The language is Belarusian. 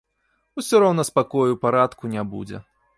Усё роўна спакою і парадку не будзе.